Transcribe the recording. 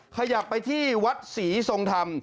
ขยับไปที่วัดศรีทรงธรรม